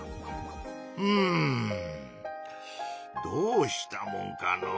うんどうしたもんかのう。